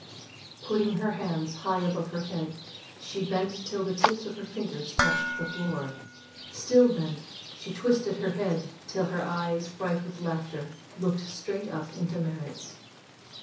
Putting her hands high above her head, she bent till the tips of her fingers touched the floor. Still bent, she twisted her head till her eyes, bright with laughter, looked straight into Merrit's.